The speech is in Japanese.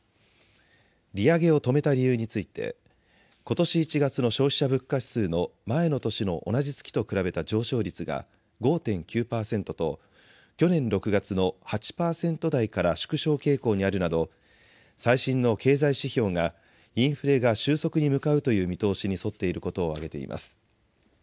利上げを止めた理由についてことし１月の消費者物価指数の前の年の同じ月と比べた上昇率が５．９％と去年６月の８％台から縮小傾向にあるなど最新の経済指標がインフレが収束に向かうという見通しに沿っていることを挙げています。